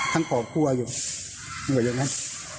ทั้งขอบกลัวอยู่เหมือนอย่างนั้น